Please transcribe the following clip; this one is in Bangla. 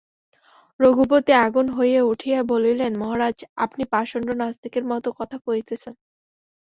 রঘুপতি আগুন হইয়া উঠিয়া বলিলেন, মহারাজ, আপনি পাষণ্ড নাস্তিকের মতো কথা কহিতেছেন।